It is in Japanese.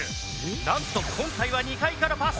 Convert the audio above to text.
なんと今回は２階からパス！